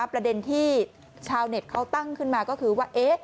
ประเด็นที่ชาวเน็ตเขาตั้งขึ้นมาก็คือว่า